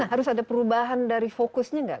harus ada perubahan dari fokusnya nggak